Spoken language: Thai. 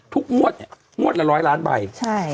ทุกมวดเนี้ยมวดละร้อยล้านใบใช่